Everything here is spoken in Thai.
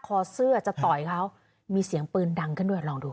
คอเสื้อจะต่อยเขามีเสียงปืนดังขึ้นด้วยลองดูค่ะ